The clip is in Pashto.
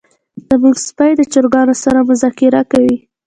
زمونږ سپی د چرګانو سره مذاکره کوي.